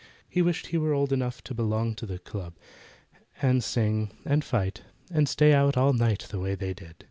He wished he were old enough to belong to the club, and sing and fight, and stay out all night the way they did.